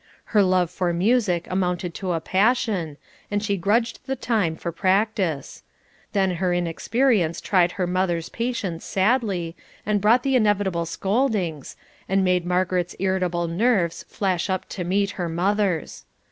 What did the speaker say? Her love for music amounted to a passion, and she grudged the time for practice; then their inexperience tried her mother's patience sadly, and brought the inevitable scoldings, and made Margaret's irritable nerves flash up to meet her mother's.